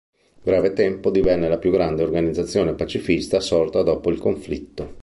In breve tempo divenne la più grande organizzazione pacifista sorta dopo il conflitto.